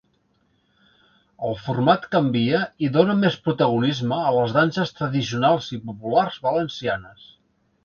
El format canvia i dóna més protagonisme a les danses tradicionals i populars valencianes.